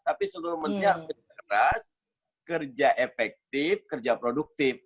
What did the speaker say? tapi seluruh menteri harus kerja keras kerja efektif kerja produktif